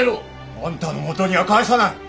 あんたのもとには帰さない！